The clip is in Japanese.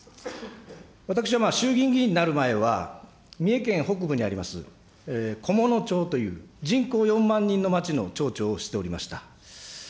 私は衆議院議員になる前は、三重県北部にあります、菰野町という人口４万人の町の町長をしておりました。